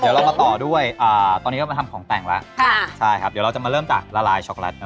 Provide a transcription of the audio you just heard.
เดี๋ยวเรามาต่อด้วยตอนนี้ก็มาทำของแต่งแล้วใช่ครับเดี๋ยวเราจะมาเริ่มจากละลายช็อกแลต